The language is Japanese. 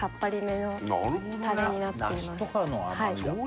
梨とかの甘みだ